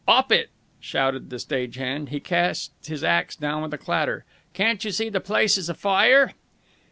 "'Op it!" shouted the stage hand. He cast his axe down with a clatter. "Can't you see the place is afire?"